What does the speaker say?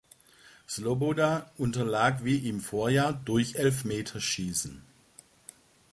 Sloboda unterlag wie im Vorjahr durch Elfmeterschießen.